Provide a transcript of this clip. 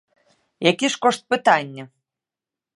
Які ж кошт пытання?